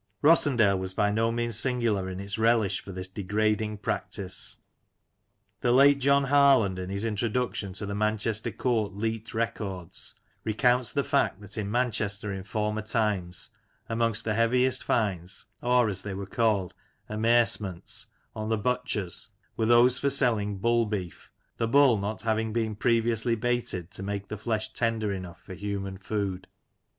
Rossendale was by no means singular in its relish for this degrading practice. The Some Lancashire Characters and Incidents, 141 late John Harland, in his introduction to the Manchester Court Leet Records, recounts the fact that in Manchester in former times, amongst the heaviest fines, or, as they were called, "Amercements," on the butchers, were those for selling bull beef, the bull not having been previously baited to make the flesh tender enough for human food!